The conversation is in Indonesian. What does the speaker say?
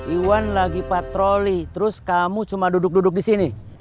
iwan lagi patroli terus kamu cuma duduk duduk di sini